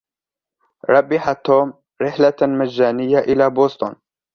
ربح توم رحلة مجانية إلى بوسطن.